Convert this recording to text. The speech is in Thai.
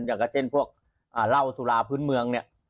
อย่างเช่นพวกเหล้าสุราพื้นเมือง